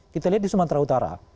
kita lihat di sumatera utara